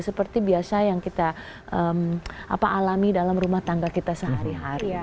seperti biasa yang kita alami dalam rumah tangga kita sehari hari